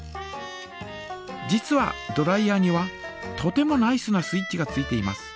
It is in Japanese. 実はドライヤーにはとてもナイスなスイッチがついています。